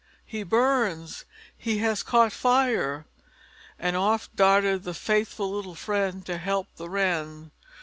He burns! He has caught fire!" And off darted the faithful little friend to help the Wren.